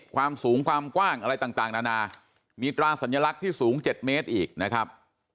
ความสูงความกว้างอะไรต่างนานามีตราสัญลักษณ์ที่สูง๗เมตรอีกนะครับ